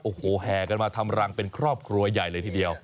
โอ้โหแห่กันมาทำรังเป็นครอบครัวใหญ่เลยทีเดียว